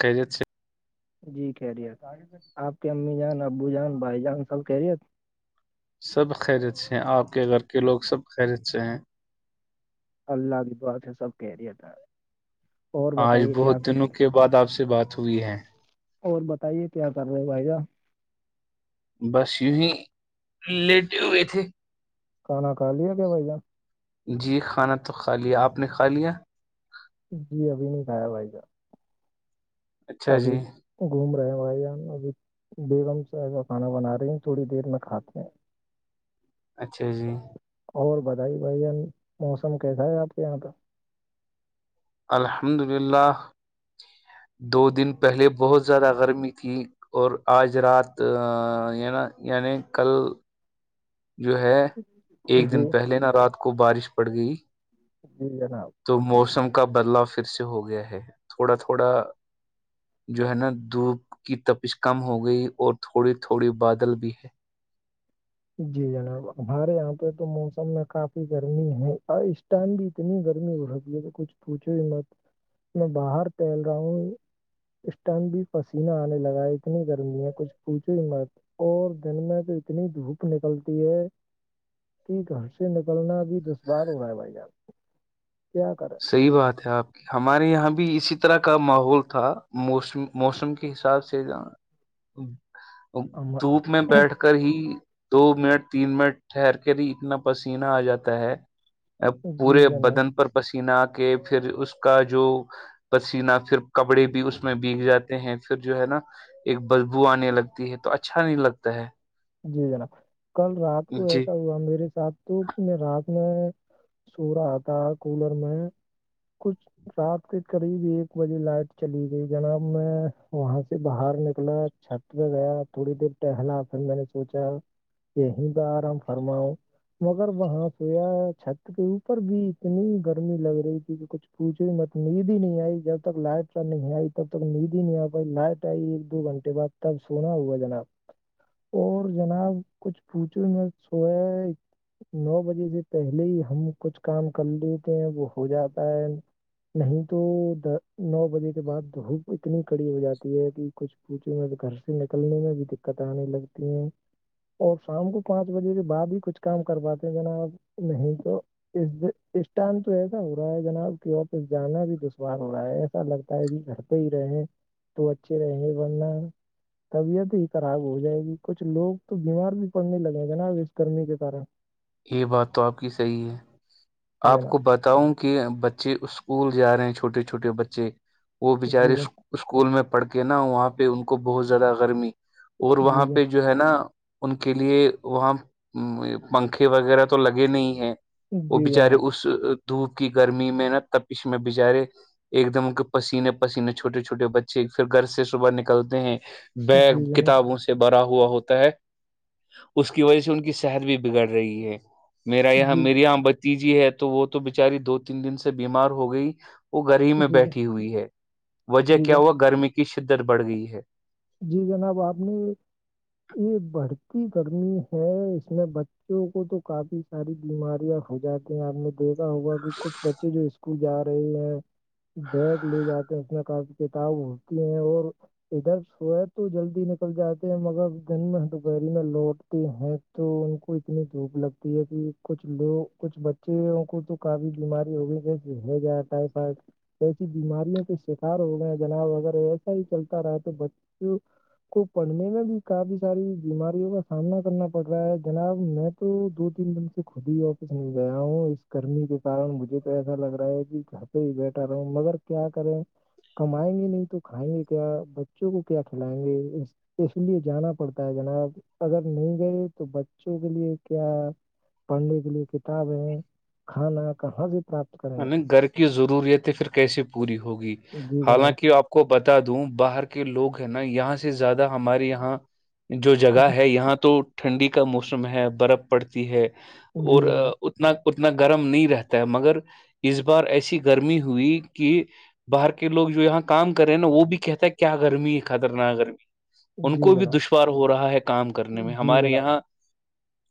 کرریت سے جی کہہ رہیت آپ کے امی جان ابو جان بھائی جان سب کہہ رہیت سب خیر اچھے ہیں آپ کے گھر کے لوگ سب خیر اچھے ہیں اللہ کی بات ہے سب کہہ رہی تھا آج بہت دنوں کے بعد آپ سے بات ہوئی ہے اور بتائیے کیا کر رہے بھائی جہ بس یونی لیٹ ہوئے تھے کھا کھا لیا کہ بھائی جا جی کھانا تو خا لی آپ نے کھا لیا جی ابھی نہیں کھایا بھائی کا اچھا ابھی جی گھوم رہے ہیں بھائی جان ابھی بیگم سے ایسا کھانا بنا رہی ہیں تھوڑی دیر میں کھاتے ہیں [inaudible] اچھا جی اور بتائی بھائی موسم کیسا ہے آپ کے یہاں پہ الحمد للہ دو دن پہلے بہت زیادہ گرمی تھی اور آج رات نا یعنی کل جو ہے ایک جی دن پہلے نہ رات کو بارش پڑ گئی جی جناب تو موسم کا بدلاؤ پھر سے ہو گیا ہے تھوڑا تھوڑا جو ہے نا دھوپ کی تپش کم ہو گئی اور تھوڑی تھوڑی بادل بھی ہے جی جناب ہمارے یہاں پہ تو موسم میں کافی گرمی ہے ٹائم بھی اتنی گرمی ہو رہتی ہے تو کچھ پوچھو ہی مت میں باہر ھیل رہا ہوں اس ٹائم بھی پسینہ آنے لگا ہے اتنی گرمی ہے کچھ پوچھو ہی مرت اور دن میں تو اتنی ہی دھوپ نکلتی ہے کہ گھر سے نکلنا بھی دشوار ہو رہا ہے بھائی جان کیا کر صحیح بات ہے آپ ہمارے یہاں بھی اسی طرح کا ماحول تھا موسم موسم کے حساب سے ہم دھوپ میں بیٹھ کر ہی دو منٹ تین منٹ ٹھہر کے ہی اتنا پسینہ آ جاتا ہے پورے جی جناب بدن پر پسین کے پھر اس کا جو پسینہ پھر کپڑے بھی اس میں بیگ جاتے ہیں پھر جو ہے نا ایک بدبو آنے لگتی ہے تو اچھا نہیں لگتا ہے جی جناب کل رات کو جی ایسا ہوا میرے ساتھ تو م رات میں سو رہا آتا کولر میں کچھ رات کے قریب ایک بجے لائٹ چلی گئی جناب میں وہاں سے باہر نکلا چھت پہ گیا تھوڑی دیر ٹہلا پھر میں نے سوچا کہیں پ آرام فرماؤ مگر وہاں سویا چھت کے اوپر بھی اتنی گرمی لگ رہی تھی کہ کچھ پوچھ م نیند ہی نہیں آئی جب تک لائٹ چ نہیں آئی تب تک نیند ہی نہیں آ پائی لائٹ آئی ایک دو گھنٹے بعد تب سونا ہوا جناب اور جناب کچھ پوچھے میں سویا نو بجے سے پہلے ہی ہم کچھ کام کر لیتے ہیں وہ ہو جاتا ہے نہیں تو د نو بجے کے بعد دھوپ اتنی کڑی ہو جاتی ہے کہ کچھ پوچھے میں تو گھر سے نکلنے میں بھی دقت آنے لگتی ہیں اور شام کو پانچ بجے کے بعد ہی کچھ کام کر پاتے ہیں جناب نہیں تو اس اس ٹائم تو ایسا ہو رہا ہے جناب کہ واپس جانا بھی دشوار ہو رہا ہے ایچسا لگتا ہے گھر پہ ہی رہے تو اچھے رہیں گ ورنہ طبیعت ہی خراب ہو جائے گی کچھ لوگ تو بیمار بھی پڑنے لگے گا نا اب اس گرمی کے کارن یہ بات تو آپ کی صحیح ہے جی آپ جناب کو بتاؤں کہ بچے اسکول جا رہے ہیں چھوٹے چھوٹے بچے وہ بچارے جی اسکول میں پڑھ کے نا وہاں پہ ان کو بہت زیادہ گرمی اور وہاں جی پہ جو ہے نا ان کے لیے وہاں پنکھے وغیرہ تو لگے نہیں ہے وہ جی بچارے جناب اس دھوپ کی گرمی میں نہا تپش میں بچارے ایک دم کے پسینے پسینے چھوٹے چھوٹے بچے پھر گھر سے صبح نکلتے ہیں بیگ جی جناب کتابوں سے بھرا ہوا ہوتا ہے اس کی وجہ سے ان کی صحت بھی بگڑ رہی ہے میرا یہاں جی میری جناب یہاں بتیجی ہے تو وہ تو بچاری دو تین دن سے بیمار ہو گئی وہ گر ہی میں جی جی بیٹھی ہوئی ہے وجہ جی کیا جناب ہوا گرمی کی شدت بڑھ گئی ہے جی جناب آپ نے یہ بڑھتی گرمی ہے اس میں بچوں کو تو کافی ساری بیماریاں ہو جاتی ہیں آپ نے دیکھا ہوا کہ کچھ بچے جو اسکول جا رہے ہیں بیگ لے جاتے ہیں اس میں کافی کتاب ہوتی ہیں اور ادھر سو تو جلدی نکل جاتے ہیں مگر دن میں دوپہری میں لوٹتے ہیں تو ان کو اتنی دھوپ لگتی ہے کہ کچھ لوگ کچھ بچے کو تو کا بھی بیماری ہوگی جی ہو جائے ٹائفائڈ ایسی بیماریوں کے شکار ہو گئے ہیں جناؤ وغیرہ ایسا ہی چلتا رہا تو بچوں کو پڑھنے میں بھی کافی ساری بیماریوں کا سامنا کرنا پڑ رہا ہے جناب میں تو دو تین دن سے خود ہی وافس میں گیا ہوں اس کرمی کے کن مجھے تو ایسا لگ رہا ہے کہ جھاں پہ ہی بیٹھ رہا ہ مگر کیا کریں کمائیں گے نہیں تو کھائیں گے کیا بچوں کو اٹ لائیں گے اس لیے جانا پڑتا ہے جناب اگر نہیں گئے تو بچوں کے لیے کیا پڑھنے کے لیے کتابیں کھانا کہاں سے پراپت کریں گھر کی ضروریتیں پھر کیسے پوری ہوگی جی جناب حالانکہ آپ کو بتا دوں باہر کے لوگ ہیں نا یہاں سے زیادہ ہمارے یہاں جو جگہ جی ہے یہاں تو ٹھنڈی کا موسم ہے برف پڑتی ہے جی اور جناب اتنا اتنا گرم نہیں رہتا ہے مگر اس بار ایسی گرمی ہوئی کہ باہر کے لوگ جو یہاں کام کر رہے ہیں نا وہ بھی کہتا ہے کیا گرمی ہے خطرناک گرمی ان جی کو بھی جناب دشوار ہو رہا ہے کام کرنے میں جی ہمارے جناب یہاں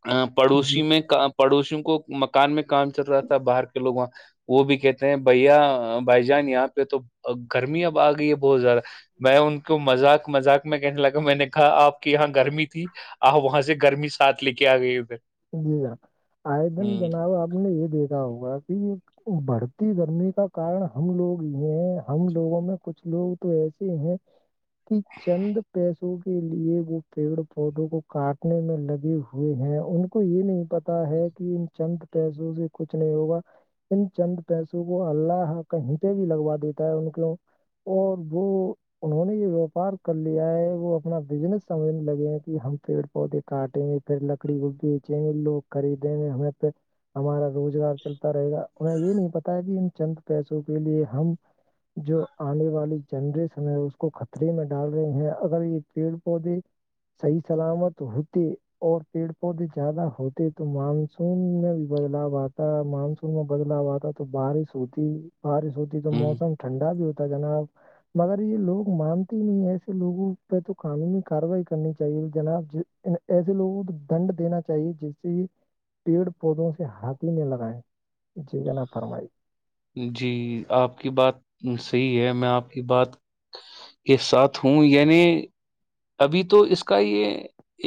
ا جی پڑوسی میں پڑوسیوں کو مکان میں کام چل رہا تھا باہر کے لوگ وہ بھی کہتے ہیں بھیا بھائی جان یہاں پہ تو گرمی اب آ گئی ہے بہت زیادہ میں ان کو مذاق مذاق میں کہنے لگا میں نے کہا آپ کی یہاں گرمی تھی آ وہاں سے گرمی ساتھ لے کے آ گئی ادھر جی ہاں آئے دن ہوں جناب آپ نے یہ دیکھا ہوگا کہ یہ بڑھتی گرمی کا کن ہم لوگ یہ ہم لوگوں میں کچھ لوگ تو ایسے ہیں کہ چند پیس کے لیے وہ پیڑ پودوں کو کاٹنے میں لگے ہوئے ہیں ان کو یہ نہیں پتا ہے کہ چند پیسوں سے کچھ نہیں ہوگا ان چند پیسوں کو اللہ کہیں پہ بھی لگوا دیتا ہے ان کیوں اور وہ انہوں نے یہ ویاپار کر لیا ہے وہ اپنا بزنس سمجھنے لگے ہیں کہ ہم پیڑ پے کاٹے میں پھر لکڑی گگی بیچے میں لوگ خریدیں میں ہ پھر ہمارا روزگار چلتا رہے گا انہیں یہ نہیں پتا کہ ان چند پیسوں کے لیے ہم جو آنے والی جنریشن ہے اس کو خطرے میں ڈال رہی ہیں اگر یہ پیڑ پودے صحیح سلامت ہوتے اور پیڑ پودے زیادہ ہوتے تو مانسون میں بھی بدلاؤ آتا ہے مانسون میں بدلاؤ آتا تو بارش سوتی بارش ہوتی تو ہ موسم ٹھنڈا بھی ہوتا ہے جناب مگر یہ لوگ مانتے نہیں ایسے لوگوں پہ تو قانونی کاروائی کرنی چاہیے جناب ایسے لووں کو دنڈ دینا چاہیے جس سے پیڑ پودوں سے ہاتھی میں لگائے جی کہ ن فرمائی جی آپ کی بات صحیح ہے میں آپ کی بات یہ ساتھ ہوں یعنی ابھی تو اس کا یہ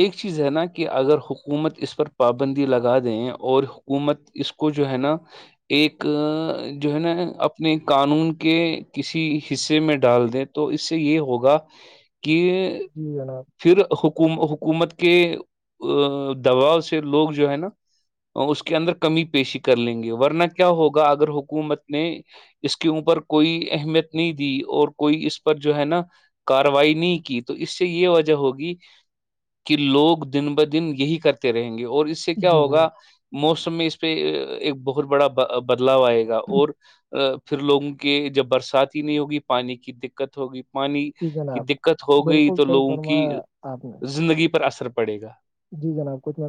ایک چیز ہے نا کہ اگر حکومت اس پر پابندی لگا دیں اور حکومت اس کو جو ہے نا ایک جو ہے نا اپنے قانون کے کسی حصے میں ڈال دیں تو اس سے یہ ہوگا کہ جی جناب پھر حک حکومت کے دباؤ سے لوگ جو ہے نا اس کے اندر کمی پیشی کر لیں گے ورنہ کیا ہوگا اگر حکومت نے اس کے اوپر کوئی اہمیت نہیں دی اور کوئی اس پر جو ہے نا کاروائی نہیں کی تو اس سے یہ وجہ ہوگی کہ لوگ دن ب دن یہی کرتے رہیں گے اور اس اس سے کیا جی جناب ہوگا موسم میں اس پہ ایک بہت بڑا بدلاو آئے گا اور پھر لوگوں کے جب برسات ہی نہیں ہوگی پانی کی دقت ہوگی پانی جی کی جناب دقت ہو گئی بالکل تو صحیح لوگوں کی فرمایا آپ نے زندگی پر اثر پڑے گا جی جناب کچھ م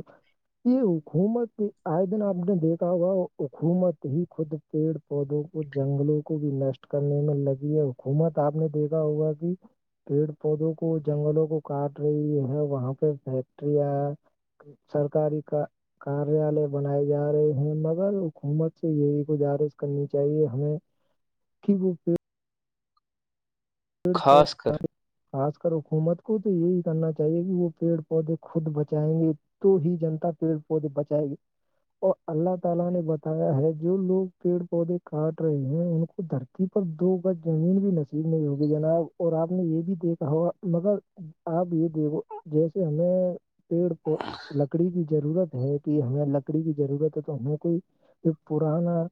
یہ حکومت آئے دن آپ نے دیکھا ہوا حکومت ہی خود پیڑ پودوں کو جنگلوں کو بھی نشٹ کرنے میں لگی ہے حکومت آپ نے دیکھا ہوا جی پیڑ پودوں کو جنگلوں کو کاٹ رہی ہے وہاں پہ فیکٹریاں سرکاری کا کاریالے بنائے جا رہے ہیں مگر حکومت سے یہی گزارش کرنی چاہیے ہمیں کی بولتے پ پ خاص کر [unintelligible] خاص کر حکومت کو تو یہی کرنا چاہیے کہ وہ پیڑ پودے خود بچائیں گے تو ہی جنتا پیڑ پودے بچائے گی اور اللہ تعالی نے بتایا ہے جو لوگ پیڑ پودے کاٹ رہے ہیں ان کو درک تھی پر دو گز زمین بھی نصیب نہیں ہوگ جناب اور آپ نے یہ بھی دیکھا ہوگا مگر آپ یہ دیکھو جیسے ہمیں پیڑ پود لکڑی کی ضرورت ہے کہ ہمیں لکڑی کی ضرورت ہے تو ہمیں کوئی پرانا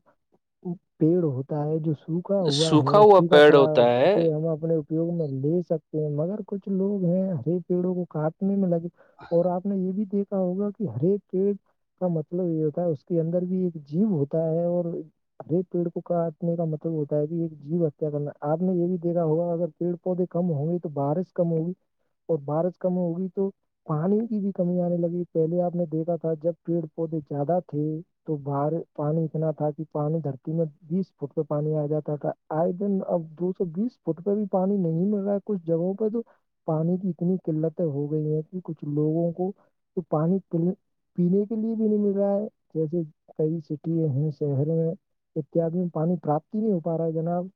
پیڑ ہوتا ہے جو سوکھ سکا ہوا ہے ہوا سوکھا پیڑ پڑا ہوتا ہے اسے ہم اپنے اپیوگ میں لے سکتے ہیں مگر کچھ لوگ ہیں ہر پیڑوں کو کاٹنے میں لگے اور آپ نے یہ بھی دیکھا ہوگا کہ ہر ایک پیڑ کا مطلب یہ ہوتا ہے اس کے اندر بھی ایک جیو ہوتا ہے اور ارے پیڑ کو کاٹنے کا مطلب ہوتا ہے کہ ایک جیو ہتیا کرنا آپ نے یہ بھی دا ہوگا اگر پیڑ پودے کم ہوں گے تو بارش کم ہوگی اور بارش کم ہوگی تو پانی کی بھی کمی آنے لگی پہلے آپ نے دیکھا تھا جب پیڑ پودے زیادہ تھے تو باہر پانی اتنا تھا کہ پانی دھرتی میں بیس فٹ پہ پانی آ جاتا تھا آئے دن اب دو سو بیس فٹ پہ بھی پانی نہیں مل رہا ہے کچھ جگہوں پہ تو پانی کی اتنی قلتیں ہو گئی ہیں کہ کچھ لوگوں کو تو پانی پ پینے کے لیے بھی نہیں مل رہا ہے جیسے کئی سٹی ہیں شہر میں اتیادی میں پانی پراپت ہی نہیں ہو پا رہا ہے جناب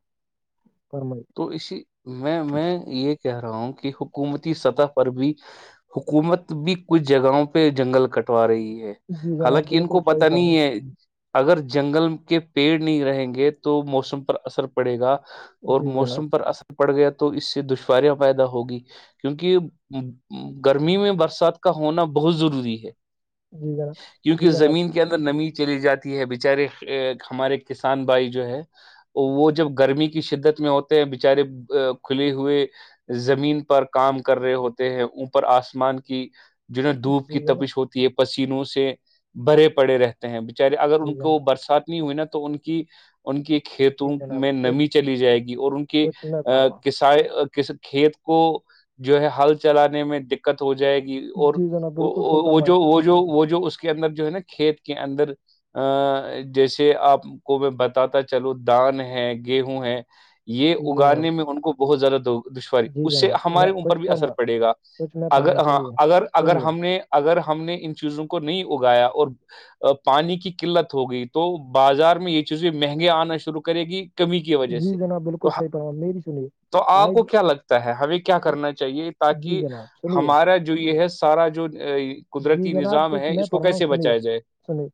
پرم تو اسی میں میں یہ کہہ رہا ہوں کہ حکومتی سطح پر بھی حکومت بھی کچھ جگہوں پہ جنگل کٹوا رہی ہے جی جناب حالانکہ ان بالکل کو پت صحیح نہیں فرمائی ہے اگر جنگل کے پیڑ نہیں رہیں گے تو موسم پر اثر پڑے گا اور جی جناب موسم پر اثر پڑ گیا تو اس سے دشواریاں پیدا ہوگی کیونکہ گرمی میں برسات کا ہونا بہت ضروری ہے جی جناب جی کیونکہ جناب زمین کے اندر نمی چلی جاتی ہے بچارے ہمارے کسان بھائی جو ہے وہ جب گرمی کی شدت میں ہوتے ہیں بچارے کھلے ہوئے زمین پر کام کر رہے ہوتے ہیں اوپر آسمان کی جو نا دھوپ جی کی جناب تپش ہوتی ہے پسینوں سے بھرے پڑے رہتے ہیں بچارے اگر جی ان جناب کو برسات نہیں ہوئی نا تو ان کی ان کے کھیتوں جی جناب میں کچھ نمی چلی جائے گی اور ان کی کچھ میں فرما ک کھیت کو جو ہے ہل چلانے میں دقت ہو جائے گی اور جی جناب بالکل صحیح وہ فرمایا جو وہ جو وہ جو اس کے اندر جو ہے نا کھیت کے اندر جیسے آپ کو میں بتاتا چلو دان ہے گیہوں ہے یہ جی جناب اگانے میں ان کو بہت زضرت ہوگی دشواری جی اس سے جناب میں ہمارے اوپر کچھ بھی اثر فرما پڑے گا کچھ میں اگر فرما ہاں سنیے اگر اگر سنیے ہم نے اگر ہم نے ان چیزوں کو نہیں اگایا اور پانی کی قلت ہوگئی تو بازار میں یہ چیزیں مہنگے آنا شروع کرے گی کمی کی وجہ سے تو بکل میں بھی س تو آپ کو کیا لگتا ہے ہمیں کیا کرنا چاہیے جی تاکہ جناب سنیے ہمارا جو یہ ہے سارا جو جی قدرتی نظام ہے اس کو کیسے بچایا جائے سنی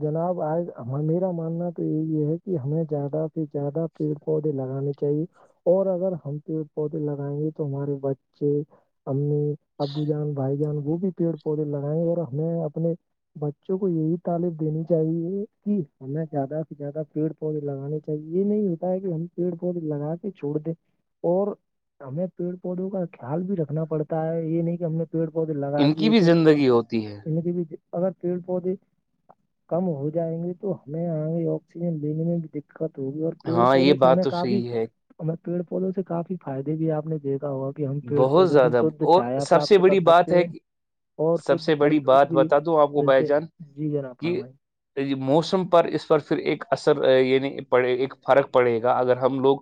جناب آج میرا ماننا تو یہ یہ ہے کہ ہمیں زیادہ سے زیادہ پیڑ پودے لگانے چاہیے اور اگر ہم پیڑ پودے لگائیں گے تو ہمارے بچے امی ابو جان بھائی جان وہ بھی پیڑ پودے لگائیں گے اور ہمیں اپنے بچوں کو یہی تعالم دینی چاہیے کہ ہمیں زیادہ سے زیادہ پیڑ پودے لگانے چاہیے یہ نہیں ہوتا ہے کہ ہم پیڑ پودے لگا کے چھوڑ دیں اور ہمیں پیڑ پودوں کا خیال بھی رکھنا پڑتا ہے یہ نہیں کہ ہم نے پیڑ پودے لگا دیے تو زگی ہو تی ہیں اگر پیڑ پودے کم ہو جائیں گے تو ہمیں آگے آکسیجن لینے میں بھی د دقت ہوگی اور پیڑ ہاں یہ پودوں سے بات ہمیں تو کافی صحیح ہے ہم پیڑ پودوں سے کافی فائدے بھی آپ نے دیکھا ہوگ کہ ہم پیڑ بہت پودوں سے زیادہ شھ اور چا سب سے پراپت کر بڑی بات سکتے ہے ہیں کہ اور سب شھ سے پھل بڑی فروٹ بات بھی بتا دوں آپ کو بائی ملتے جان جی جناب فرمائی کہ موسم پر اس پر پھر ایک اثر یعنی پڑے ایک فرق پڑے گا اگر ہم لوگ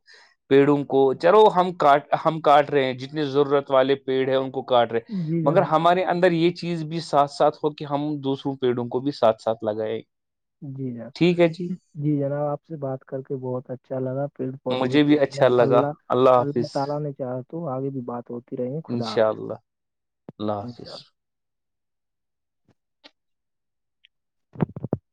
پیڑوں کو چلو ہم کاٹ ہم کاٹ رہے ہیں ج ضرورت والے پیڑ ہے ان کو کاٹ رہے جی مگر جناب ہمارے اندر یہ چی چیز بھی ساتھ ساتھ ہو کے ہم دوسروں پیڑوں کو بھی ساتھ ساتھ لگائےیں جی جر جی جناب آپ سے بات کر کے بہت اچھا لگا پیڑ پودوں مجھے کے بھی بارے میں اچھا لگا اللہ اللہ حافظ چاہ تو آگے بھی بات ہوتی رہی ہے خدا انشاء حافظ اللہ اللہ حافظ [inaudible]